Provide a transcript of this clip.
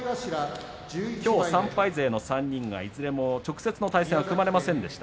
きょう３敗勢の３人はいずれも直接の対戦が組まれませんでした。